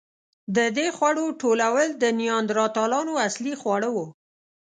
د دې خوړو ټولول د نیاندرتالانو اصلي خواړه وو.